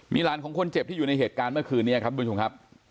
มีหลานของคนเจ็บที่อยู่ในเหตุการณ์เมื่อคืนนี้ครับทุกผู้ชมครับ